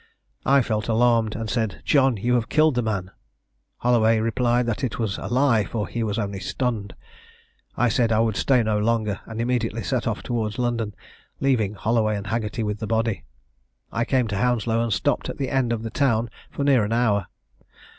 I felt alarmed, and said, 'John, you have killed the man.' Holloway replied that it was a lie, for he was only stunned. I said I would stay no longer, and immediately set off towards London, leaving Holloway and Haggerty with the body. I came to Hounslow, and stopped at the end of the town for near an hour.